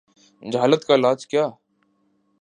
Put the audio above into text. جہالت کا علاج کیا؟